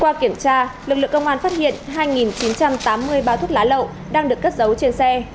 qua kiểm tra lực lượng công an phát hiện hai chín trăm tám mươi bao thuốc lá lậu đang được cất dấu trên xe